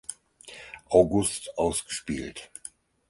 August ausgespielt.